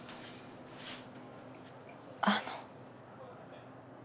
あの。